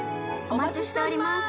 お待ちしております。